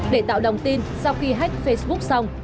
để tạo đồng tin sau khi hack facebook xong